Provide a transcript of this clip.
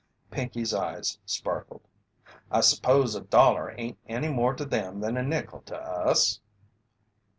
Pinkey's eyes sparkled. "I s'pose a dollar ain't any more to them than a nickel to us?"